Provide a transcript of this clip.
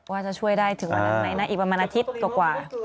ว่าจะช่วยได้ถึงวันนั้นไหมนะอีกประมาณอาทิตย์กว่า